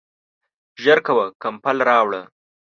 ژر کوه ، کمپل راوړه !